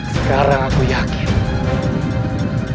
sekarang aku yakin